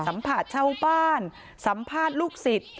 สัมภาษณ์เช้าบ้านสัมภาษณ์ลูกศิษย์